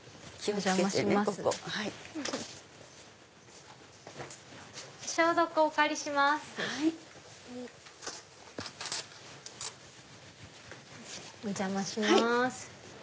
お邪魔します。